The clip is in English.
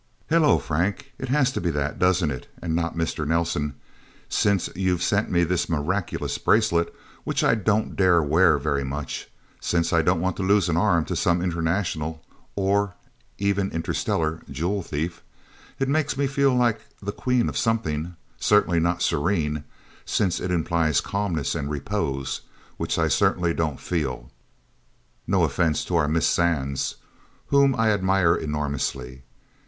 "Hello, Frank it has to be that, doesn't it, and not Mr. Nelsen, since you've sent me this miraculous bracelet which I don't dare wear very much, since I don't want to lose an arm to some international or even interstellar jewel thief! It makes me feel like the Queen of Something certainly not Serene, since it implies calmness and repose, which I certainly don't feel no offense to our Miss Sands, whom I admire enormously.